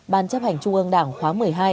ban chấp hành trung ương đảng khóa một mươi hai